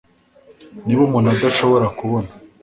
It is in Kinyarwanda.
Niba umuntu adashobora kubona